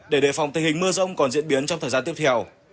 để đề phòng tình hình mưa rông còn diễn biến trong thời gian tiếp theo